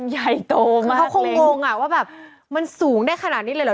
ใหญ่โตมากเขาคงงอ่ะว่าแบบมันสูงได้ขนาดนี้เลยเหรอ